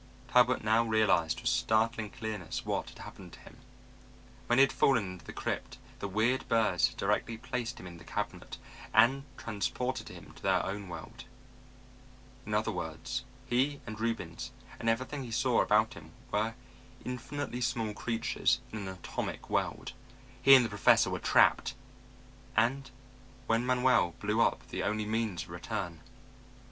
Talbot now realized with startling clearness what had happened to him. When he had fallen into the crypt the weird birds had directly placed him in the cabinet and transported him to their own world. In other words, he and Reubens and everything he saw about him were infinitely small creatures in an atom world. He and the Professor were trapped! And when Manuel blew up the only means of return....